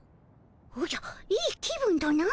おじゃいい気分とな？